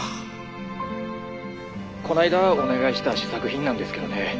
☎こないだお願いした試作品なんですけどね